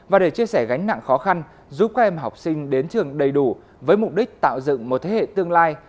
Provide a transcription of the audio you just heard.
và để chia sẻ gánh nặng khó khăn giúp các em học sinh đến trường đầy đủ với mục đích tạo dựng một thế hệ tương lai